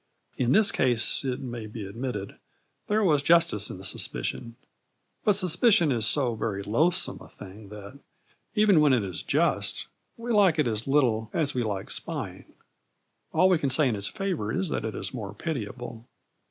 In this case it may be admitted, there was justice in the suspicion; but suspicion is so very loathsome a thing that, even when it is just, we like it as little as we like spying. All we can say in its favour is that it is more pitiable.